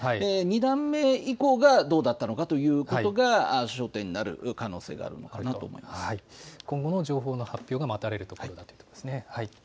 ２段目以降がどうだったのかということが焦点になる可能性がある今後の情報の発表が待たれるところだということですね。